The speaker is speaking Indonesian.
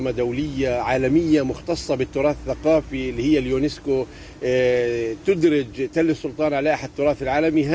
medulia alamiya moktas sabit terasa papil ia unesco eh tudir jtl sultan alaikatur asal alami